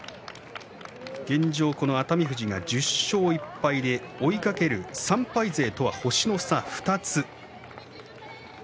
現状、熱海富士が１０勝１敗で追いかける３敗勢とは星の差２つです。